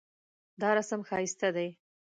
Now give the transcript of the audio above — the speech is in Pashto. دا رسم ښایسته دی